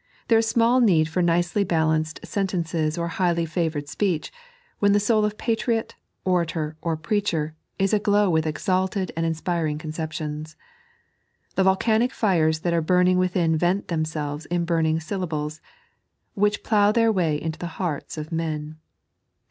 There is nmall need for nicely balanced sentences or highly flavoured speech, when the soul of patriot, orator, or preacher, is aglow with exalted and inspiring conceptions. The volcanic fires that are burning within vent themselves in burning syllables, which plough their way into the hearts of men.